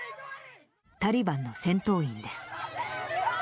タリバンの戦闘員です。